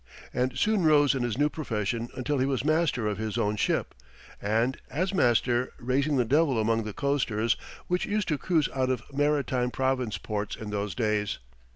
And soon rose in his new profession until he was master of his own ship, and, as master, raising the devil among the coasters which used to cruise out of Maritime Province ports in those days.